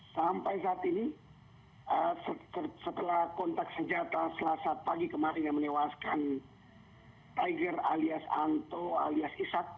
sampai saat ini setelah kontak senjata selasa pagi kemarin yang menewaskan tiger alias anto alias ishak